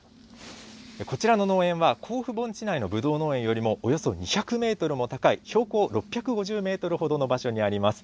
こちらの農園は、甲府盆地内のぶどう農園よりも、およそ２００メートルも高い標高６５０メートルほどの場所にあります。